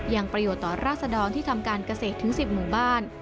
ยังประโยชน์ต่อราศดรที่ทำการเกษตรถึง๑๐หมู่บ้าน